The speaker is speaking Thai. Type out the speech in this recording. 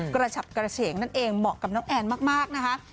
กระฉับกระเฉงนั่นเองเหมาะกับน้องแอนมากนะคะ